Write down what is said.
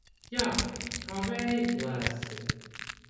Jā, kā vēja plēsti.